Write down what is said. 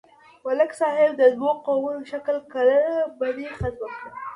ملک صاحب د دوو قومونو شل کلنه بدي ختمه کړه.